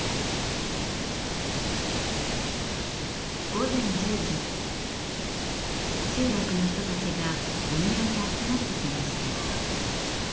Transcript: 午前１０時集落の人たちがお宮に集まってきました。